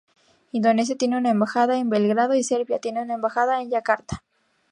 Indonesia tiene una embajada en Belgrado y Serbia tiene una embajada en Yakarta.